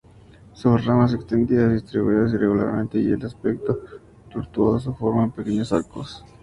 Sus ramas extendidas, distribuidas irregularmente y de aspecto tortuoso, forman pequeños arcos.